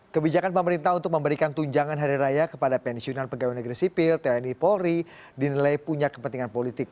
kebijakan pemerintah untuk memberikan tunjangan hari raya kepada pensiunan pegawai negeri sipil tni polri dinilai punya kepentingan politik